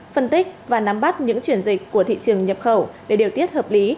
phân tích và nắm bắt những chuyển dịch của thị trường nhập khẩu để điều tiết hợp lý